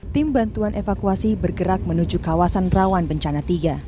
tim bantuan evakuasi bergerak menuju kawasan rawan bencana tiga